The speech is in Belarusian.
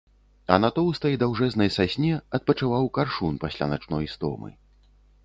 А на тоўстай даўжэзнай сасне адпачываў каршун пасля начной стомы.